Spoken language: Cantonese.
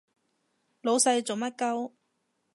老細做乜 𨳊